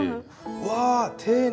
うわ丁寧に。